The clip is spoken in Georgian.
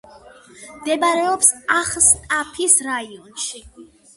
მდებარეობს აღსტაფის რაიონში.